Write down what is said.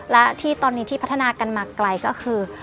และที่ตอนนี้ที่พัฒนากันมาไกลก็คือ